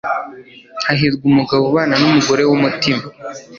hahirwa umugabo ubana n'umugore w'umutima